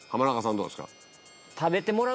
どうですか？